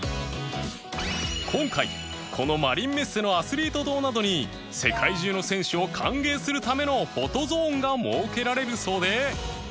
今回このマリンメッセのアスリート棟などに世界中の選手を歓迎するためのフォトゾーンが設けられるそうで